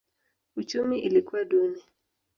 Uchumi ilikuwa duni.